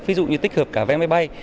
ví dụ như tích hợp cả vé máy bay